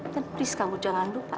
dan please kamu jangan lupa